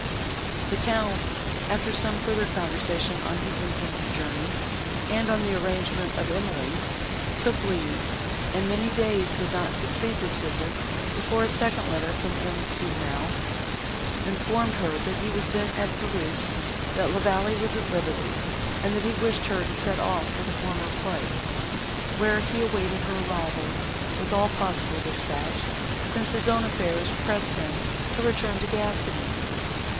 The Count, after some further conversation on his intended journey and on the arrangement of Emily's, took leave; and many days did not succeed this visit, before a second letter from M. Quesnel informed her, that he was then at Thoulouse, that La Vallée was at liberty, and that he wished her to set off for the former place, where he awaited her arrival, with all possible dispatch, since his own affairs pressed him to return to Gascony.